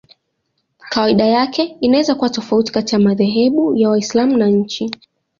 Kawaida yake inaweza kuwa tofauti kati ya madhehebu ya Waislamu na nchi.